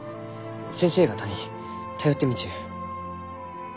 先生方に頼ってみちゅう。